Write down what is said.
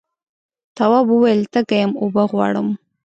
تواب وویل تږی یم اوبه غواړم.